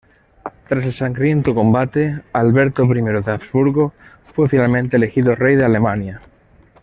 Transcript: Tras el sangriento combate, Alberto I de Habsburgo fue finalmente elegido rey de Alemania.